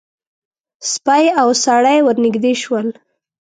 سپی او سړی ور نږدې شول.